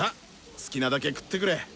好きなだけ食ってくれ！